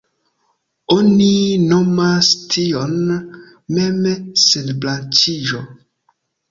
Oni nomas tion „mem-senbranĉiĝo“.